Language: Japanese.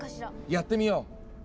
やってみよう。